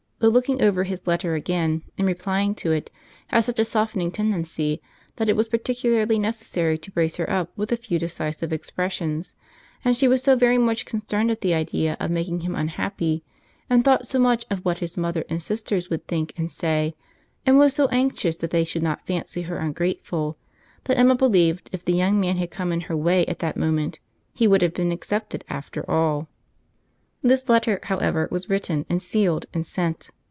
The looking over his letter again, in replying to it, had such a softening tendency, that it was particularly necessary to brace her up with a few decisive expressions; and she was so very much concerned at the idea of making him unhappy, and thought so much of what his mother and sisters would think and say, and was so anxious that they should not fancy her ungrateful, that Emma believed if the young man had come in her way at that moment, he would have been accepted after all. This letter, however, was written, and sealed, and sent.